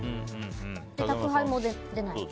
宅配も出ない。